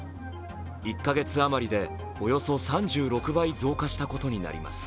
１カ月あまりでおよそ３６倍増加したことになります。